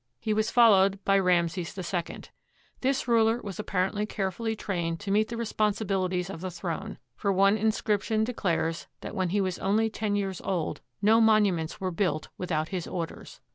He was followed by Rameses II. This ruler was appar ently carefully trained to meet the responsibiUties of the throne, for one inscription declares that when he was only ten years old no monuments were built without his orders.